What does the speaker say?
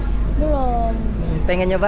tidak ingin mencoba